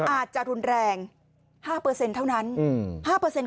อาจจะรุนแรง๕เท่านั้น๕